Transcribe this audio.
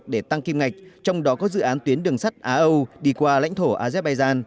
để tăng kim ngạch trong đó có dự án tuyến đường sắt á âu đi qua lãnh thổ azerbaijan